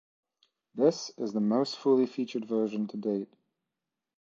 This is the most fully featured version to date.